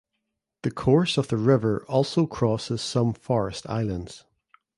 The course of the river also crosses some forest islands.